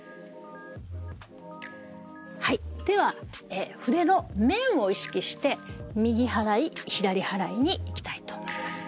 では筆の面を意識して右払い左払いにいきたいと思います。